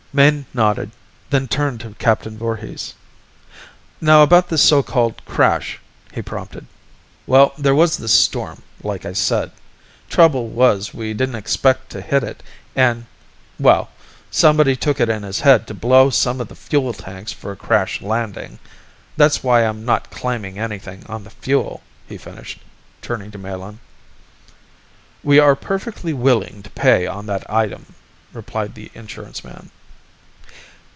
Mayne nodded, then turned to Captain Voorhis. "Now about this so called crash?" he prompted. "Well, there was this storm, like I said. Trouble was we didn't expect to hit it and ... well ... somebody took it in his head to blow some of the fuel tanks for a crash landing. That's why I'm not claimin' anythin' on the fuel," he finished, turning to Melin. "We are perfectly willing to pay on that item," replied the insurance man.